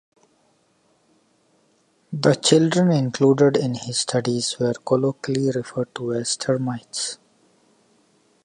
The children included in his studies were colloquially referred to as "Termites".